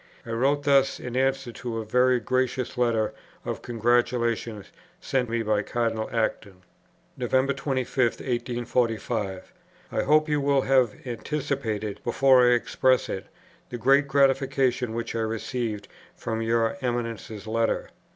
I wrote thus in answer to a very gracious letter of congratulation sent me by Cardinal Acton: "Nov. 25, 1845. I hope you will have anticipated, before I express it, the great gratification which I received from your Eminence's letter.